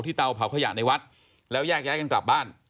เตาเผาขยะในวัดแล้วแยกย้ายกันกลับบ้าน